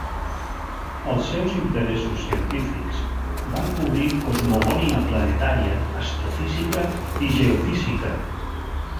Els seus interessos científics van cobrir cosmogonia planetària, astrofísica i geofísica.